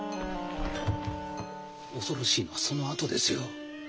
恐ろしいのはそのあとですよ。